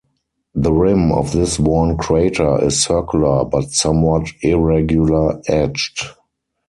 The rim of this worn crater is circular but somewhat irregular-edged.